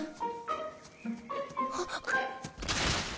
あっ。